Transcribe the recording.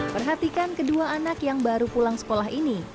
perhatikan kedua anak yang baru pulang sekolah ini